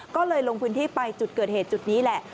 ก็เลยลงพื้นที่ไปจุดเกิดเหตุจุดนี้แหละ